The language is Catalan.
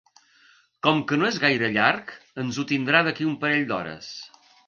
Com que no és gaire llarg ens ho tindrà d'aquí un parell d'hores.